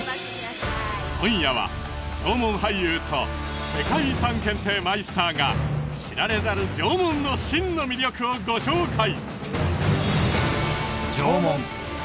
今夜は縄文俳優と世界遺産検定マイスターが知られざる縄文の真の魅力をご紹介